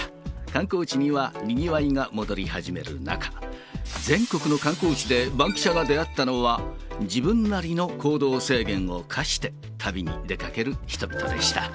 観光地にはにぎわいが戻り始める中、全国の観光地でバンキシャが出会ったのは、自分なりの行動制限を課して旅に出かける人々でした。